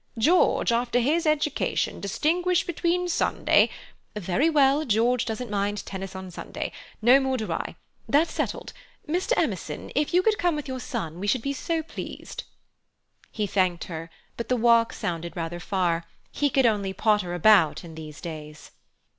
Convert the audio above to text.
George, after his education, distinguish between Sunday—" "Very well, George doesn't mind tennis on Sunday. No more do I. That's settled. Mr. Emerson, if you could come with your son we should be so pleased." He thanked her, but the walk sounded rather far; he could only potter about in these days.